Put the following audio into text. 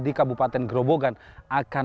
di kabupaten gerobogan akan